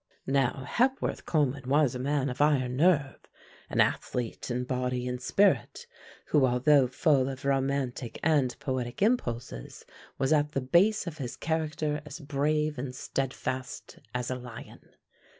Now, Hepworth Coleman was a man of iron nerve, an athlete in body and spirit, who, although full of romantic and poetic impulses, was at the base of his character as brave and steadfast as a lion.